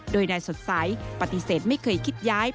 โดยนายสดใสปฏิเสธไม่เคยคิดย้าย